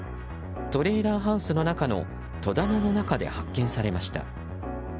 トレーラーハウスの中の戸棚の中で発見されました。